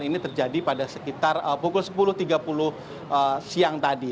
dan ini terjadi pada sekitar pukul sepuluh tiga puluh siang tadi